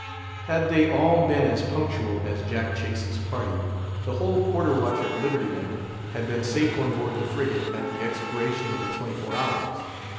Had they all been as punctual as Jack Chase's party, the whole quarter watch of liberty men had been safe on board the frigate at the expiration of the twenty four hours.